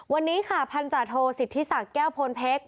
วันนี้ค่ะพันธาโทสิทธิศักดิ์แก้วพลเพชร